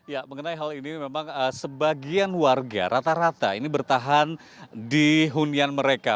ya mengenai hal ini memang sebagian warga rata rata ini bertahan di hunian mereka